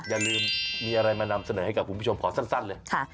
อย่าลืมมีอะไรมานำเสนอให้กับคุณผู้ชมขอสั้นเลย